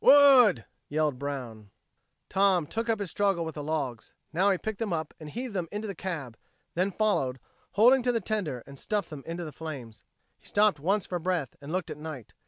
"Wood!" yelled Brown. Tom took up his struggle with the logs. Now he picked them up and heaved them into the cab, then followed, holding to the tender, and stuffed them into the flames. He stopped once for breath, and looked at Knight.